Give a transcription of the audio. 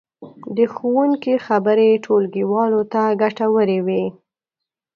د ښوونکي خبرې ټولګیوالو ته ګټورې وې.